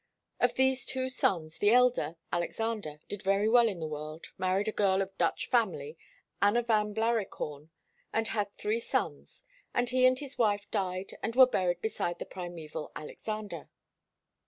Of these two sons the elder, Alexander, did very well in the world, married a girl of Dutch family, Anna Van Blaricorn, and had three sons, and he and his wife died and were buried beside the primeval Alexander.